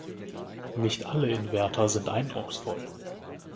Nicht alle Inverter sind eindrucksvoll.